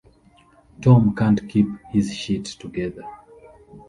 Tom can't keep his shit together.